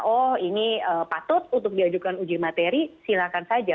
oh ini patut untuk diajukan uji materi silakan saja